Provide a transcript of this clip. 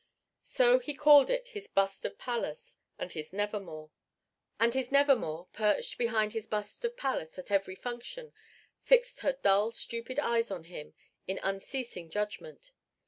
So he called it his Bust of Pallas and his Nevermore. And his Nevermore, perched behind his Bust of Pallas at every function, fixed her dull stupid eyes on him in unceasing judgment.